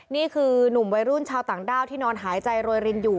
นี่คือนุ่มวัยรุ่นชาวต่างด้าวที่นอนหายใจโรยรินอยู่